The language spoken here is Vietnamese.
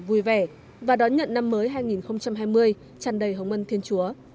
vui vẻ và đón nhận năm mới hai nghìn hai mươi tràn đầy hồng mân thiên chúa